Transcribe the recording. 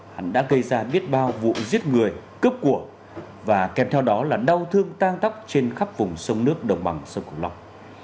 hắn đã gây ra biết bao vụ giết người cướp cuộ và kèm theo đó là đau thương tang tóc trên khắp vùng sông nước đồng bằng sông cửu long